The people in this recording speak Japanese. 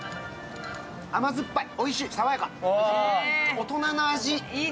大人の味。